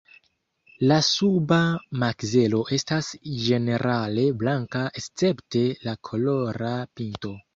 La suba makzelo estas ĝenerale blanka escepte la kolora pinto.